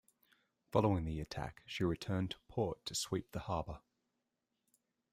Following the attack, she returned to port to sweep the harbor.